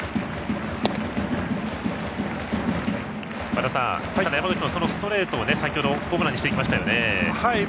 和田さん、山口もストレートで先ほどホームランにしましたよね。